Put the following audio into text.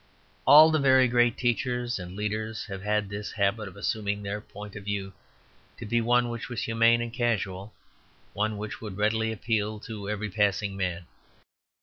All very great teachers and leaders have had this habit of assuming their point of view to be one which was human and casual, one which would readily appeal to every passing man.